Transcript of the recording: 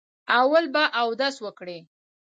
اول به اودس وکړئ.